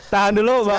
tahan dulu pak andri